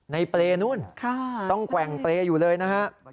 เปรย์นู่นต้องแกว่งเปรย์อยู่เลยนะฮะ